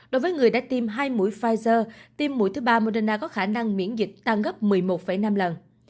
đối với người đã tiêm hai mũi pfizer tiêm mũi thứ ba moderna có khả năng miễn dịch tăng gấp ba mươi hai lần theo the week